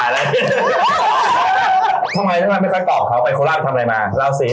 ทำไมตัวนั้นไม่ค่อยตอบเขาไปโคลท์ทำไรมาเล่าสิ